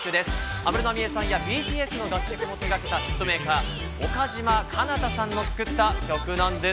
安室奈美恵さんやＢＴＳの楽曲も手掛けたヒットメーカー岡嶋かな多さんの作った曲なんです。